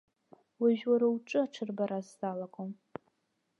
Уажәы уара уҿы аҽырбара сзалагом.